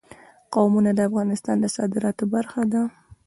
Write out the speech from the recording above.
قومونه د افغانستان د صادراتو برخه ده.